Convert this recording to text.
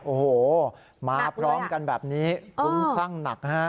โอ้โหมาพร้อมกันแบบนี้คุ้มคลั่งหนักฮะ